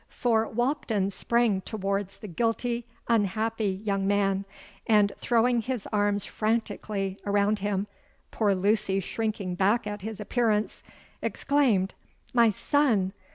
For Walkden sprang towards the guilty—unhappy young man, and throwing his arms frantically around him,—poor Lucy shrinking back at his appearance,—exclaimed, 'My son!